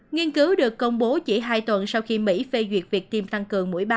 nghiên cứu được công bố chỉ hai tuần sau khi mỹ phê duyệt việc tiêm tăng cường mũi ba